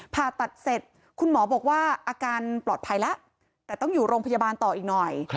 ผ่าตัดเสร็จคุณหมอบอกว่าอาการปลอดภัยแล้วแต่ต้องอยู่โรงพยาบาลต่ออีกหน่อย